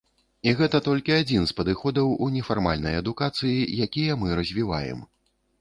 І гэта толькі адзін з падыходаў у нефармальнай адукацыі, якія мы развіваем.